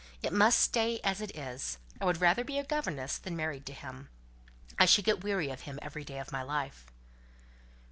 It must stay as it is. I would rather be a governess than married to him. I should get weary of him every day of my life."